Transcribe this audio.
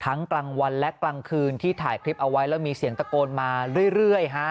กลางวันและกลางคืนที่ถ่ายคลิปเอาไว้แล้วมีเสียงตะโกนมาเรื่อยฮะ